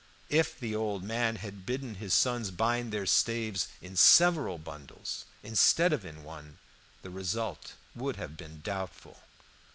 If the old man had bidden his sons bind their staves in several bundles instead of in one, the result would have been doubtful.